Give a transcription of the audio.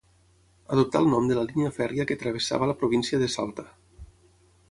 Adoptà el nom de la línia fèrria que travessava la província de Salta.